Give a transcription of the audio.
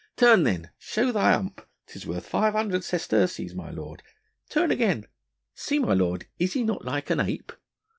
Turn then, show thy hump, 'tis worth five hundred sesterces, my lord ... turn again ... see my lord, is he not like an ape?"